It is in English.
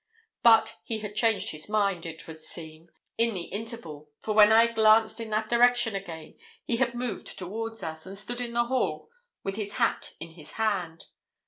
But he had changed his mind, it would seem, in the interval; for when I glanced in that direction again he had moved toward us, and stood in the hall with his hat in his hand.